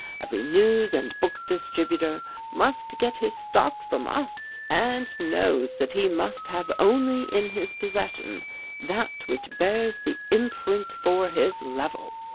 Every news and book distributor must get his stock from us and knows that he must have only in his possession that which bears the imprint for his level.